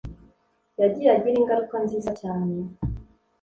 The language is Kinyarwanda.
Yagiye agira ingaruka nziza cyane